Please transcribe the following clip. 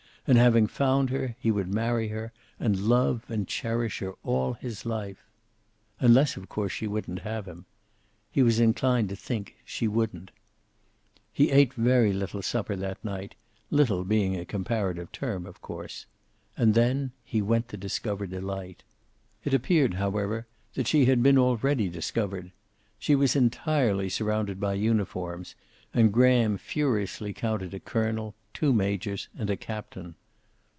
And having found her, he would marry her, and love and cherish her all his life. Unless, of course, she wouldn't have him. He was inclined to think she wouldn't. He ate very little supper that night, little being a comparative term, of course. And then he went to discover Delight. It appeared, however, that she had been already discovered. She was entirely surrounded by uniforms, and Graham furiously counted a colonel, two majors, and a captain.